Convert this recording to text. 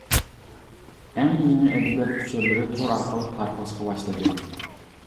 ئەڭ يېڭى ئەدەبىيات ئۇچۇرلىرى تور ئارقىلىق تارقىلىشقا باشلىدى.